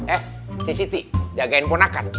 eh siti siti jagain ponakan